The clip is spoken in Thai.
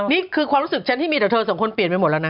นี่คือความรู้สึกฉันที่มีแต่เธอสองคนเปลี่ยนไปหมดแล้วนะ